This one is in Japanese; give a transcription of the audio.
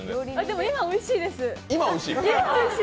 今、おいしいです。